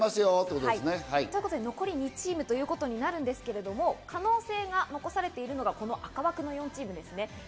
残り２チームということになるんですけど、可能性が残されているのがこの赤枠の４チームです。